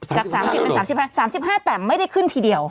จากสามสิบเป็นสามสิบห้าสามสิบห้าแต่ไม่ได้ขึ้นทีเดียว